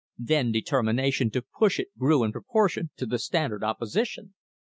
Then determination to push it grew in proportion to the Standard opposition.